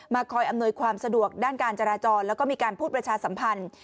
มาคอยอำนวยความสะดวกด้านการจราจรและก็พูดวัชชาสัมพันธุ์